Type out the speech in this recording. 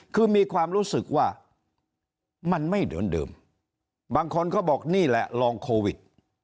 คือมีความรู้สึกว่ามันไม่เหมือนเดิมบางคนก็บอกนี่แหละลองโควิด